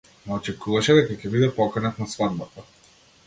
Не очекуваше дека ќе биде поканет на свадбата.